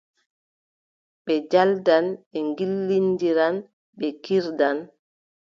Ɓe njaldan, ɓe ngillindiran, ɓe kiirdan.